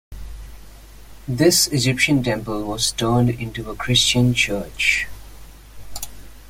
This Egyptian temple was turned into a Christian church.